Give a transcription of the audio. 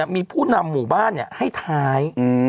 มีผู้นำหมู่บ้านให้ท้าย